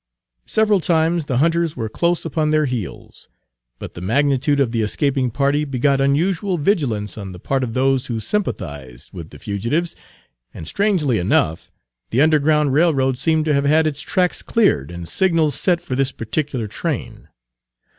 Several times the hunters were close upon their heels, but the magnitude of the escaping party begot unusual vigilance on the part of those who sympathized with the fugitives, and strangely enough, the underground railroad seemed to have had its tracks cleared and signals set for this particular train.